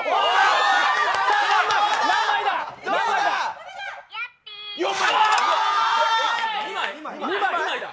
何枚だ？